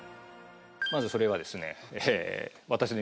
まずそれはですね。